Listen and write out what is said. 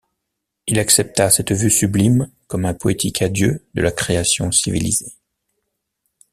Il accepta cette vue sublime comme un poétique adieu de la création civilisée.